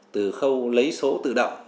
từ khâu lấy số tự động